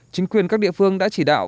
chính quyền các địa phương đã chỉ đạo